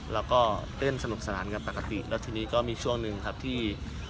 แล้วก็เต้นสนุกสนานกันปกติแล้วทีนี้ก็มีช่วงหนึ่งครับที่